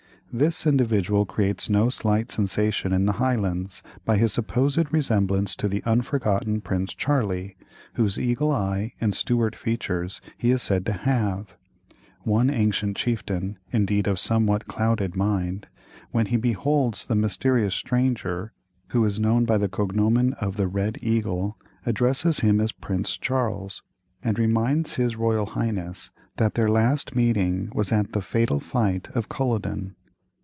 This individual creates no slight sensation in the Highlands by his supposed resemblance to the unforgotten Prince Charlie, whose eagle eye and Stuart features he is said to have; one ancient chieftain, indeed, of somewhat clouded mind, when he beholds the mysterious stranger, who is known by the cognomen of the "Red Eagle," addresses him as "Prince Charles," and reminds his Royal Highness that their last meeting was at the fatal fight of Culloden.